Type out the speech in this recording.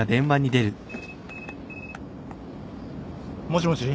もしもし。